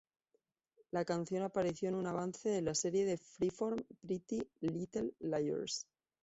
La canción apareció en un avance de la serie de Freeform Pretty Little Liars.